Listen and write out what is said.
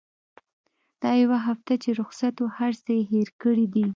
دا يوه هفته چې رخصت وه هرڅه يې هېر کړي دي.